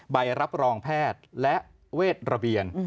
ใบรับรองแพทย์และเวทระเบียน